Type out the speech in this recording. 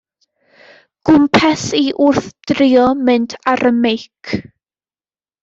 Gwmpes i wrth drio mynd ar 'y meic.